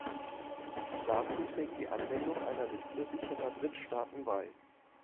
Dazu trägt die Anwendung einer Liste sicherer Drittstaaten bei.